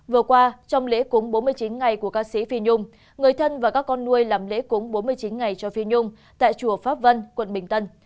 vừa qua trong lễ cúng bốn mươi chín ngày của ca sĩ phi nhung người thân và các con nuôi làm lễ cúng bốn mươi chín ngày cho phi nhung tại chùa pháp vân quận bình tân